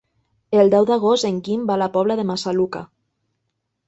El deu d'agost en Guim va a la Pobla de Massaluca.